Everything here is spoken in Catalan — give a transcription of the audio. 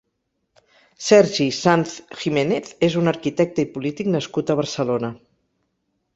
Sergi Sanz Jiménez és un arquitecte i polític nascut a Barcelona.